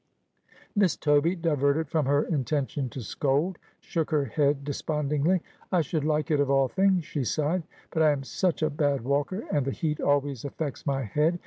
Miss Toby, diverted from her intention to scold, shook her head despondingly. ' I should like it of all things,' she sighed. ' But I am such a bad walker, and the heat always affects my head.